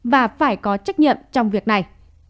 và phải có trách nhiệm trong việc này